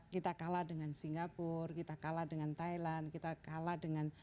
kita kalah dengan singapura kita kalah dengan thailand kita kalah dengan